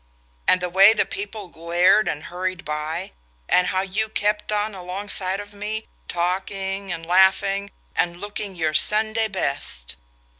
and the way the people glared and hurried by; and how you kept on alongside of me, talking and laughing, and looking your Sunday best.